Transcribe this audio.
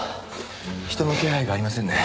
人の気配がありませんね。